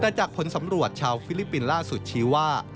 แต่จากผลสำรวจชาวฟิลิปปินส์ล่าสุดชี้ว่า